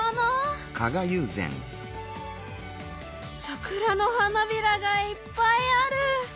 桜の花びらがいっぱいある。